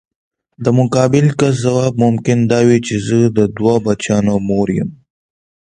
د مقابل کس ځواب ممکن دا وي چې زه د دوه بچیانو مور یم.